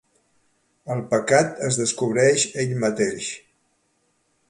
El pecat es descobreix ell mateix.